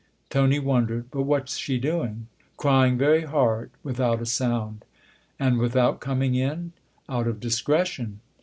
Tony wondered. " But what's she doing ?"" Crying very hard without a sound." " And without coming in ?"" Out of discretion."